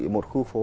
một khu phố